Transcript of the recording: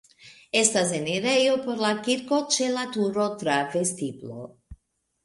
Estas enirejo por la kirko ĉe la turo tra vestiblo.